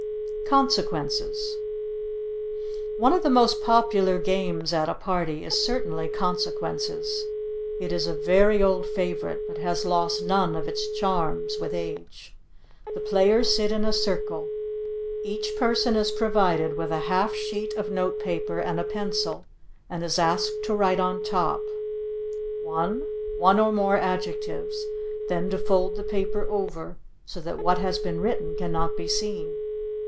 CONSEQUENCES One of the most popular games at a party is certainly "Consequences"; it is a very old favorite, but has lost none of its charms with age. The players sit in a circle; each person is provided with a half sheet of notepaper and a pencil, and is asked to write on the top (i) one or more adjectives, then to fold the paper over, so that what has been written cannot be seen.